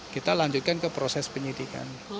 kita lanjutkan ke proses penyidikan